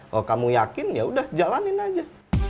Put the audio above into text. kalau kamu yakin yaudah jalanin aja